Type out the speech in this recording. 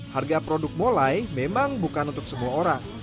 harga produk molai memang bukan untuk semua orang